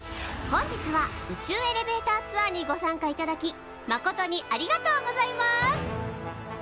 本日は宇宙エレベーターツアーにご参加いただきまことにありがとうございます！